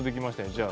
じゃあ。